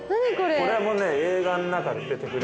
これもね映画の中に出て来る